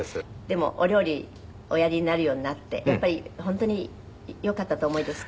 でもお料理おやりになるようになってやっぱり本当に良かったとお思いですか？